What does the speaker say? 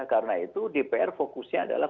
karena itu dpr fokusnya adalah